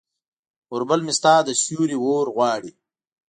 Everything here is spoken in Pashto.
اوربل مې ستا د سیوري اورغواړي